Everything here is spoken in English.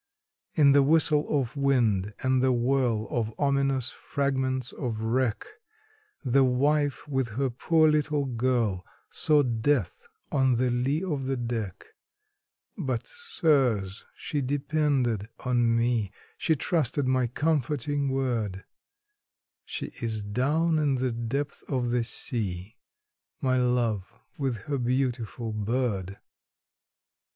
In the whistle of wind, and the whirl of ominous fragments of wreck, The wife, with her poor little girl, saw death on the lee of the deck; But, sirs, she depended on me she trusted my comforting word; She is down in the depths of the sea my love, with her beautiful bird.